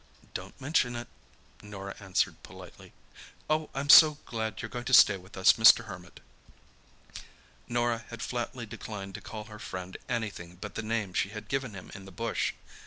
"Don't mention it," Norah answered politely. "Oh, I'm so glad you're going to stay with us, Mr. Hermit!" Norah had flatly declined to call her friend anything but the name she had given him in the bush.